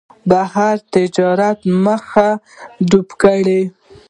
د بهر تجارت مخه یې ډپ کړه.